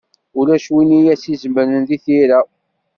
Ulac win i as-izemren deg tira.